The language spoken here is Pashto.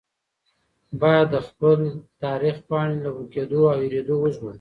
باید د خپل تاریخ پاڼې له ورکېدو او هېرېدو وژغورو.